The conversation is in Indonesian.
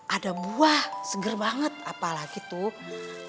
ada buah seger banget apalagi tuh